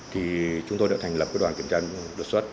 thì chúng tôi đã thành lập cái đoàn kiểm tra đột xuất